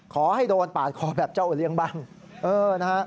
ขอให้โดนผ่านคอแบบเจ้าโอเลี้ยงบ้าง